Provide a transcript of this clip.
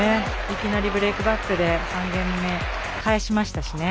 いきなりブレークバックで３ゲーム目、返しましたしね。